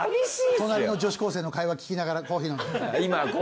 隣の女子高生の会話聞きながらコーヒー飲んでる。